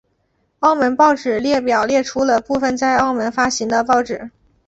澳门报纸列表列出了部分在澳门发行的报纸。